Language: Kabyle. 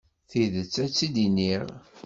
Tidet, ad tt-id-iniɣ.